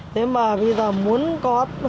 thế mà bây giờ muốn có hoa không có sản lượng mấy đâu